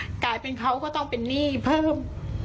ถ้าจ่ายเป็นเขาก็ต้องเป็นหนี้อีกเพิ่ม